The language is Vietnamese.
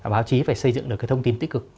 báo chí phải xây dựng được cái thông tin tích cực